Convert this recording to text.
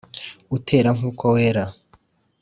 utera nk’uko wera